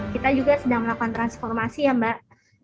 kita juga sedang melakukan transformasi ya mbak